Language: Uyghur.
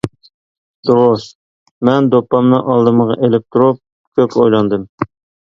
دۇرۇس، مەن دوپپامنى ئالدىمغا ئىلىپ تۇرۇپ كۆپ ئويلاندىم.